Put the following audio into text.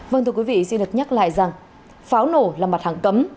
vâng thưa quý vị xin được nhắc lại rằng pháo nổ là mặt hàng cấm